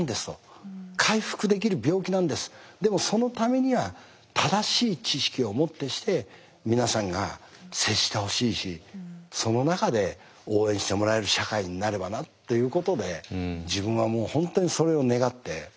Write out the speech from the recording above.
これはでもそのためには正しい知識をもってして皆さんが接してほしいしその中で応援してもらえる社会になればなっていうことで自分はもう本当にそれを願って。